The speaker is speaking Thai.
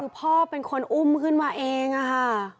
คือพ่อเป็นคนอุ้มขึ้นมาเองอะฮะ